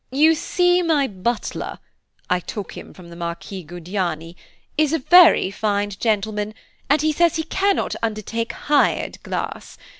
You see my butler (I took him from the Marquis Guadagni) is a very fine gentleman, and he says he cannot undertake hired glass.